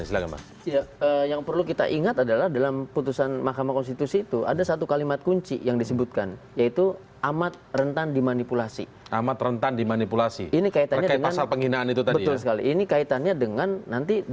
tambahannya kita lanjutkan selanjutnya ya